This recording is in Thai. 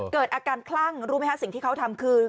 เกิดอาการคลั่งรู้ไหมฮะสิ่งที่เขาทำคือ